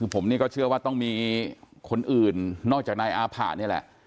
ผมนี่ก็เชื่อว่าต้องมีคนอื่นนอกจากนายอาผะนี่แหละ